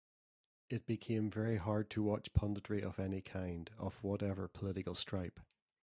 It became very hard to watch punditry of any kind, of whatever political stripe.